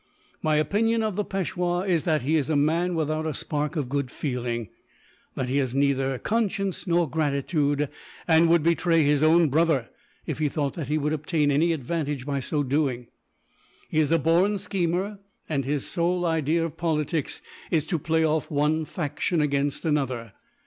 "My opinion of the Peishwa is that he is a man without a spark of good feeling; that he has neither conscience nor gratitude, and would betray his own brother, if he thought that he would obtain any advantage by so doing. He is a born schemer, and his sole idea of politics is to play off one faction against another.